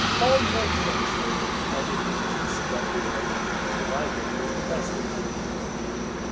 "On the contrary, everything is in splendid order, for my brother is the best of managers."